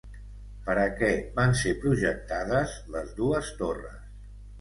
Per a què van ser projectades les dues torres?